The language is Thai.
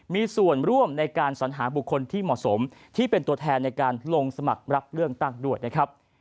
มีส่วนร่วมในการสัญหาบุคคลที่เหมาะสมที่เป็นตัวแทนในการลงสมัครรับเลือกตั้งด้วยนะครับ